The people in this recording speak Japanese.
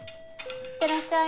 いってらっしゃい。